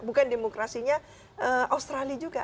bukan demokrasinya australia juga